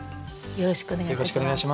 よろしくお願いします。